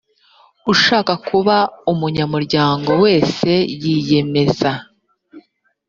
ushaka kuba umunyamuryango wese yiyemeza